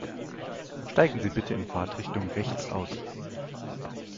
Steigen Sie bitte in Fahrtrichtung rechts aus.